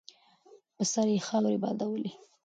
په سر یې خاورې بادولې.